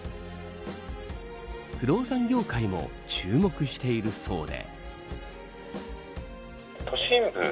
不動産業界も注目しているそうで。